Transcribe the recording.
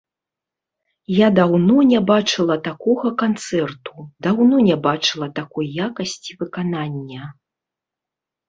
Я даўно не бачыла такога канцэрту, даўно не бачыла такой якасці выканання.